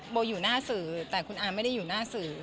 อยู่หน้าสื่อแต่คุณอาไม่ได้อยู่หน้าสื่อ